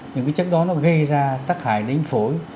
những cái chất đó nó gây ra tắc hại đến phổi